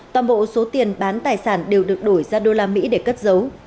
toàn bộ số tiền bán tài sản đều được đổi ra đô la mỹ để cất dấu